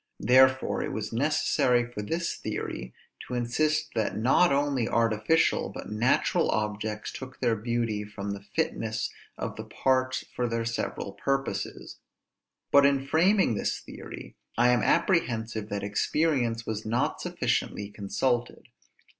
Therefore it was necessary for this theory to insist that not only artificial, but natural objects took their beauty from the fitness of the parts for their several purposes. But in framing this theory, I am apprehensive that experience was not sufficiently consulted.